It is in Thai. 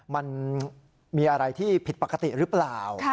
มันมีอะไรที่ผิดปกติหรือเปล่า